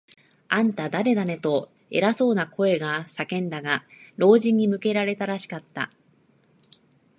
「あんた、だれだね？」と、偉そうな声が叫んだが、老人に向けられたらしかった。